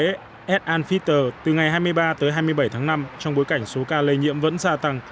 với ad anfiter từ ngày hai mươi ba tới hai mươi bảy tháng năm trong bối cảnh số ca lây nhiễm vẫn gia tăng